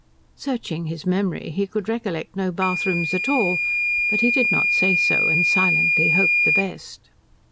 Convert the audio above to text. Searching his memory he could recollect no bathrooms at all, but he did not say so, and silently hoped the best.